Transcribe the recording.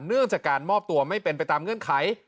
เนื่องจากการมอบตัวไม่เป็นไปตามเงื่อนไข